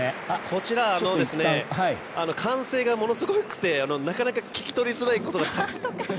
こちら歓声がものすごくてなかなか聞き取りづらくて。